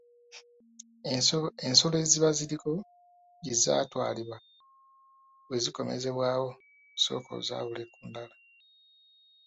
Ensolo eziba ziriko gye zaatwalibwa bwe zikomezebwawo sooka ozaawule ku ndala.